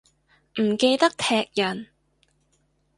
唔記得踢人